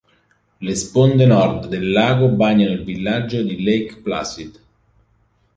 Le sponde nord del lago bagnano il villaggio di Lake Placid.